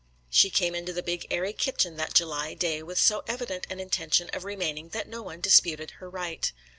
She came into the big airy kitchen that July day with so evident an intention of remaining that no one disputed her right.